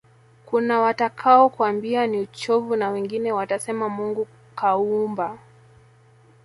kunawatakao kwambia ni uchovu na wengine watasema mungu kauumba